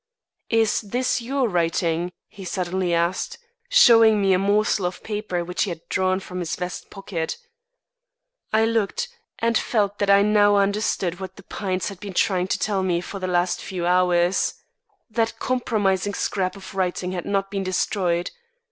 "Is this your writing?" he suddenly asked, showing me a morsel of paper which he had drawn from his vest pocket. I looked, and felt that I now understood what the pines had been trying to tell me for the last few hours. That compromising scrap of writing had not been destroyed.